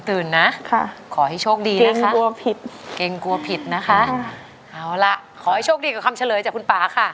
ตื่นนะขอให้โชคดีนะคะเกรงกลัวผิดนะคะขอให้โชคดีกับคำเฉลยจากคุณป๊าค่ะ